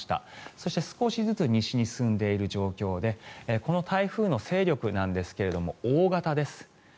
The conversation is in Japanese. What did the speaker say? そして少しずつ西に進んでいる状況でこの台風の勢力なんですが大型です。